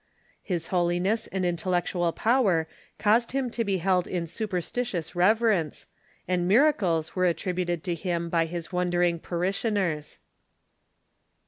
His holiness and intellectual power caused him to be held in superstitious reverence, and miracles were attributed to him by his wondering parishioners.